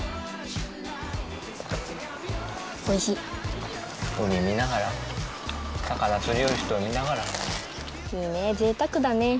おいしい海見ながら魚釣りよる人見ながらいいね贅沢だね